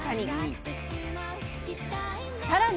さらに！